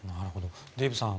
デーブさん